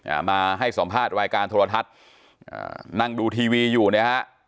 อ่ามาให้สัมภาษณ์รายการโทรทัศน์อ่านั่งดูทีวีอยู่เนี่ยฮะ